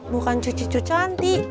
bukan cucicu cantik